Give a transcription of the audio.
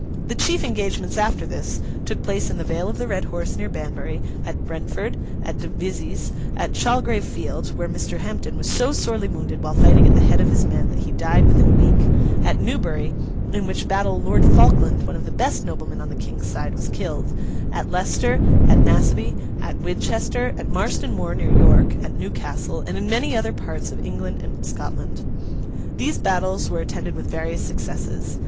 The chief engagements after this, took place in the vale of the Red Horse near Banbury, at Brentford, at Devizes, at Chalgrave Field (where Mr. Hampden was so sorely wounded while fighting at the head of his men, that he died within a week), at Newbury (in which battle Lord Falkland, one of the best noblemen on the King's side, was killed), at Leicester, at Naseby, at Winchester, at Marston Moor near York, at Newcastle, and in many other parts of England and Scotland. These battles were attended with various successes.